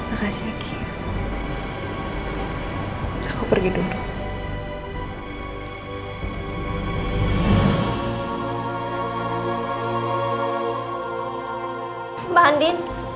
aku harus pergi lagi